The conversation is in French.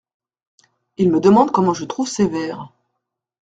Il me demande comment je trouve ses vers…